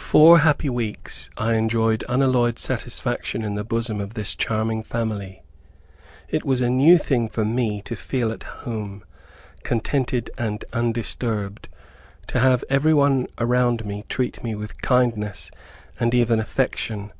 Four happy weeks I enjoyed unalloyed satisfaction in the bosom of this charming family. It was a new thing for me to feel at home, contented, and undisturbed; to have every one around me treat me with kindness and even affection.